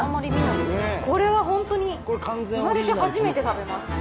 これはホントに生まれて初めて食べます。